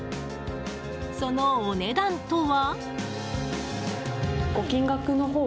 そのお値段とは？